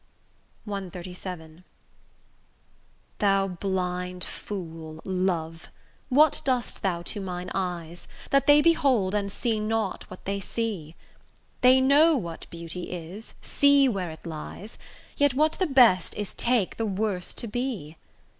CXXXVII Thou blind fool, Love, what dost thou to mine eyes, That they behold, and see not what they see? They know what beauty is, see where it lies, Yet what the best is take the worst to be.